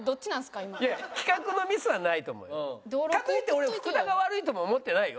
かといって俺福田が悪いとも思ってないよ。